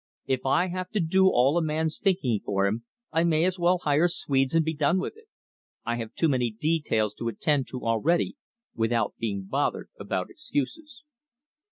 If I have to do all a man's thinking for him, I may as well hire Swedes and be done with it. I have too many details to attend to already without bothering about excuses."